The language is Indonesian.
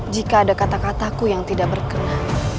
jika ada kata kataku yang tidak berkenaan